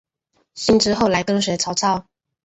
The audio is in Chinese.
辛毗后来跟随曹操。